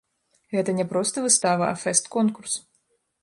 Гэта не проста выстава, а фэст-конкурс.